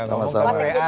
selamat malam sama sama